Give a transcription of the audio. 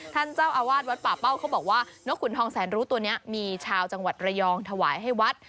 ท่านเจ้าอาวาสวัดป่าเป้าเขาบอกว่านกขุนทองแสนรู้ตัวนี้มีชาวจังหวัดระยองถวายให้วัด